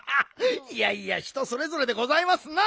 いやいや人それぞれでございますな。